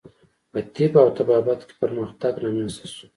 په طب او طبابت کې پرمختګ رامنځته شو.